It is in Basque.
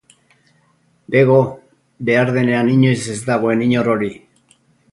Bego, behar denean inoiz ez dagoen inor hori.